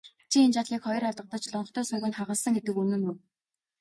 Чи энэ жаалыг хоёр алгадаж лонхтой сүүг нь хагалсан гэдэг үнэн үү?